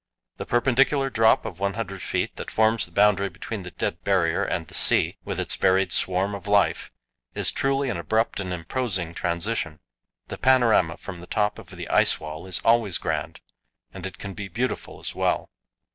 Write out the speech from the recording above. The perpendicular drop of 100 feet that forms the boundary between the dead Barrier and the sea, with its varied swarm of life, is truly an abrupt and imposing transition. The panorama from the top of the ice wall is always grand, and it can be beautiful as well.